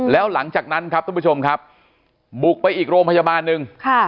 แล้วหลังจากนั้นครับทุกผู้ชมครับบุกไปอีกโรงพยาบาลหนึ่ง